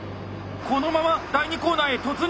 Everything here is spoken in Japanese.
このまま第２コーナーへ突入！